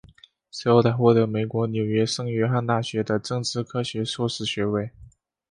随后他获得美国纽约圣约翰大学的政治科学硕士学位。